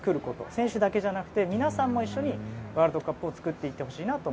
選手だけじゃなくて皆さんでワールドカップを作っていってほしいなと。